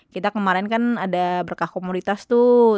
kita kemarin kan ada berkah komoditas tuh